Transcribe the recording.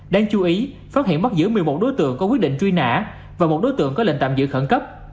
đáng chú ý phát hiện bắt giữ một mươi một đối tượng có quyết định truy nã và một đối tượng có lệnh tạm giữ khẩn cấp